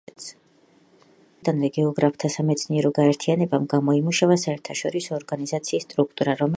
ადრეული წლებიდანვე გეოგრაფთა სამეცნიერო გაერთიანებამ გამოიმუშავა საერთაშორისო ორგანიზაციის სტრუქტურა, რომელიც დღემდე არსებობს.